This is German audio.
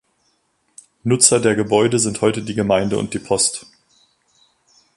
Nutzer der Gebäude sind heute die Gemeinde und die Post.